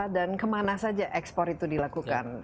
dan kemana saja ekspor itu dilakukan